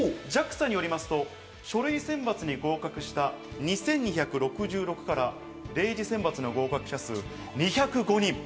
ＪＡＸＡによりますと、書類選抜に合格した２２６６人から０次選抜の合格者数２０５人。